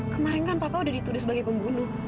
kemarin kan papa udah dituduh sebagai pembunuh